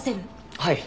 はい。